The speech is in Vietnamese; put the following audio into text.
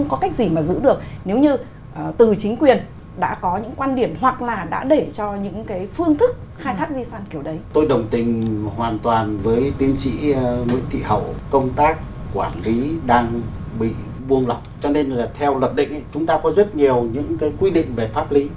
công tác quản lý đang bị buông lọc cho nên là theo luật định chúng ta có rất nhiều những quy định về pháp lý